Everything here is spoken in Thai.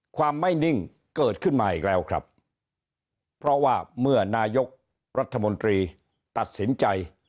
ความไม่นิ่งเกิดขึ้นมาอีกแล้วครับเพราะว่าเมื่อนายกรัฐมนตรีตัดสินใจ